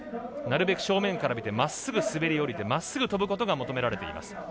なるべく正面から見てまっすぐ滑り降りてまっすぐ飛ぶことが求められています。